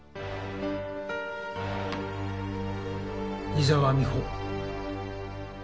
伊沢美穂。